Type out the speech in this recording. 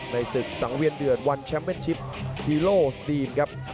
ศึกสังเวียนเดือดวันแชมป์เป็นชิปฮีโร่ทีมครับ